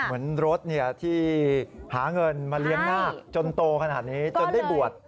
เป็นรถเนี่ยที่หาเงินมาเลี้ยงน่ากจนโตขนาดนี้จนได้บวช